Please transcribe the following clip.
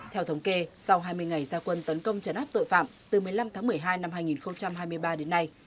theo thống kê sau hai mươi ngày gia quân tấn công trấn áp tội phạm từ một mươi năm tháng một mươi hai năm hai nghìn hai mươi ba đến nay